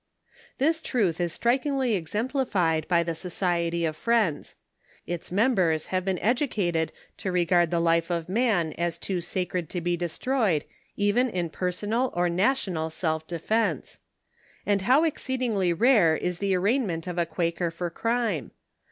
This truth is strikingly exemplified by the Society of Friends, Its members have been educated to regard the life of man as too sacred to be destroyed even in personal or national self* defense. And how exceedingly rare is the arraignment of a Quaker for crime